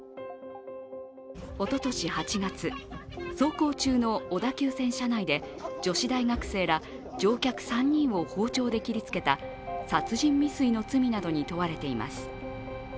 おととし８月、走行中の小田急線車内で女子大学生ら乗客３人を包丁で切りつけた、殺人未遂の罪などに問われています。